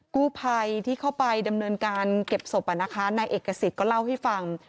กู้ภัยที่เข้าไปดำเนินการเก็บศพนายเอกสิทธิ์ก็เล่าให้ฟัง